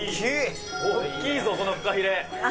大きいぞこのフカヒレ。